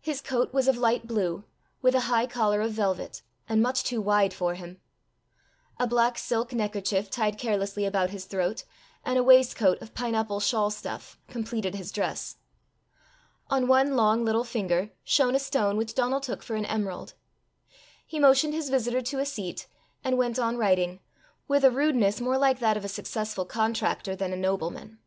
His coat was of light blue, with a high collar of velvet, and much too wide for him. A black silk neckerchief tied carelessly about his throat, and a waistcoat of pineapple shawl stuff, completed his dress. On one long little finger shone a stone which Donal took for an emerald. He motioned his visitor to a seat, and went on writing, with a rudeness more like that of a successful contractor than a nobleman.